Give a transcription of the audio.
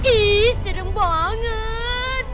ih serem banget